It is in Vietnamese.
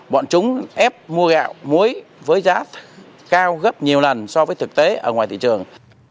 bọn chúng ép mua gạo muối với giá cao gấp nhiều lần so với thực tế ở ngoài thị trường